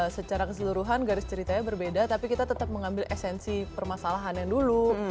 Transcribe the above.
secara keseluruhan garis ceritanya berbeda tapi kita tetap mengambil esensi permasalahan yang dulu